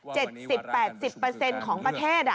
เจ็ดสิบแปดสิบประเทศ